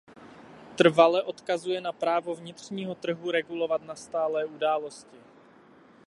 Trvale odkazuje na právo vnitřního trhu regulovat nastalé události.